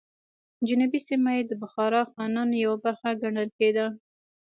جنوبي سیمه یې د بخارا خانانو یوه برخه ګڼل کېده.